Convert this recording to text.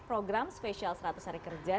program spesial seratus hari kerja